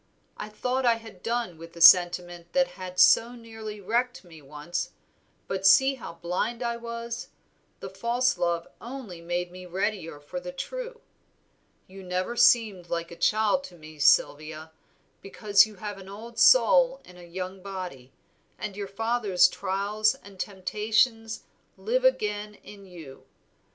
I thought I had done with the sentiment that had so nearly wrecked me once, but see how blind I was the false love only made me readier for the true. You never seemed a child to me, Sylvia, because you have an old soul in a young body, and your father's trials and temptations live again in you.